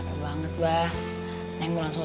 oke kita istirahat lagi ya